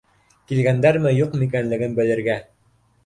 Килгәндәрме-юҡмы икәнлеген белергә